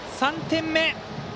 ３点目。